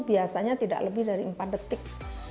biasanya tidak lebih dari empat detik